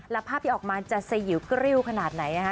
แล้วภาพที่ออกมาจะสยิวกริ้วขนาดไหนนะคะ